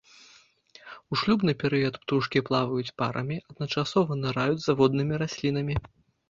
У шлюбны перыяд птушкі плаваюць парамі, адначасова ныраюць за воднымі раслінамі.